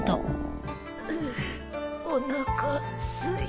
うぅおなかすいた。